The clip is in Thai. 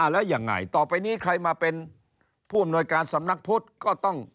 แล้วยังไงต่อไปนี้ใครมาเป็นผู้อำนวยการสำนักพุทธก็ต้อง